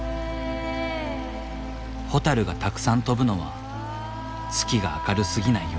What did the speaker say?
ホタルがたくさん飛ぶのは月が明るすぎない夜。